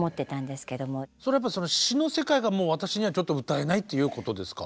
それは詞の世界が私にはちょっと歌えないっていうことですか？